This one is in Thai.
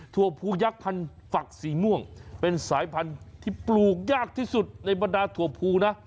ถั่วภูยักษ์พันธุ์ฝักสีม่วงเป็นสายพันธุ์ที่ปลูกยากที่สุดในบรรดาถั่วภูนะ